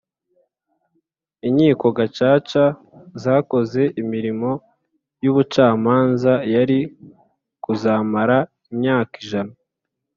Inkiko gacaca zakoze imirimo y’ubucamanza yari kuzamara imyaka ijana